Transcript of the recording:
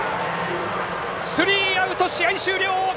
スリーアウト、試合終了。